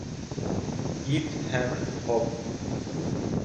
Ит һәм һоп